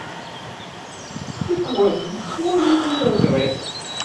Tikkal yettwali tiliẓri.